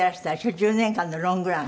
１０年間のロングラン。